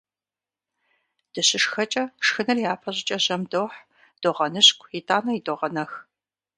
ДыщышхэкӀэ, шхыныр япэ щӀыкӀэ жьэм дохь, догъэныщкӀу, итӀанэ идогъэнэх.